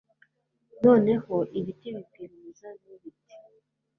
noneho ibiti bibwira umuzabibu, biti